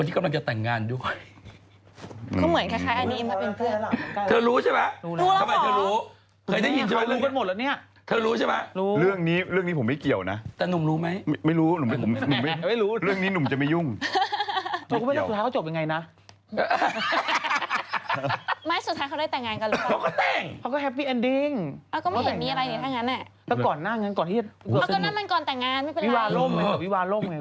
ทำอะไรแล้วงงแล้ว